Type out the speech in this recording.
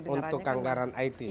untuk anggaran it